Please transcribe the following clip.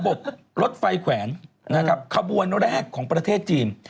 ระบบรถไฟแขวนขบวนแรกของประเทศจีน